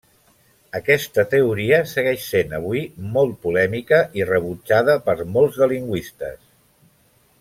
Aquesta teoria segueix sent avui molt polèmica i rebutjada per molts de lingüistes.